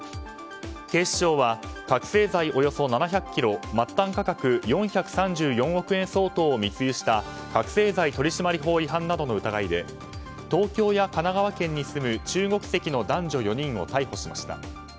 警視庁は覚醒剤およそ７００ｋｇ末端価格４３４億円相当を密輸した覚醒剤取締法違反などの疑いで東京や神奈川県に住む中国籍の男女４人を逮捕しました。